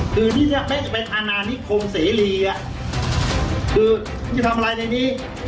คือนี่มันจะไปทานานิคคงเศรีอ่ะคือมันจะทำอะไรในนี้